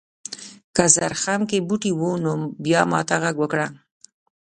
که زرخم کې بوټي و نو بیا ماته غږ وکړه.